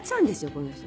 この人。